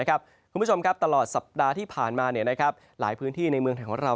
คุณผู้ชมครับตลอดสัปดาห์ที่ผ่านมาหลายพื้นที่ในเมืองไทยของเรา